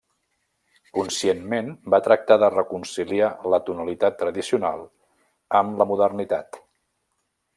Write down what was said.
Conscientment va tractar de reconciliar la tonalitat tradicional amb la modernitat.